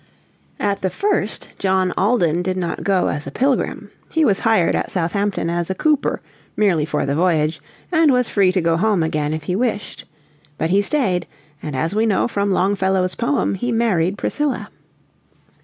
At the first John Alden did not go as a Pilgrim. He was hired at Southampton as a cooper, merely for the voyage, and was free to go home again if he wished. But he stayed, and as we know from Longfellow's poem he married Priscilla.